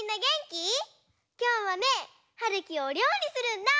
きょうはねはるきおりょうりするんだ！